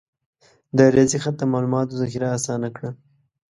د ریاضي خط د معلوماتو ذخیره آسانه کړه.